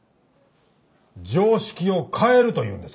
常識を変えるというんですか？